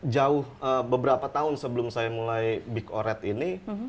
jauh beberapa tahun sebelum saya mulai big oret ini